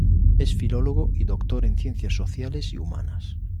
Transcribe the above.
Es Filólogo y Doctor en Ciencias Sociales y Humanas.